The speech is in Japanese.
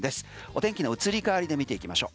天気の移り変わりで見ていきましょう。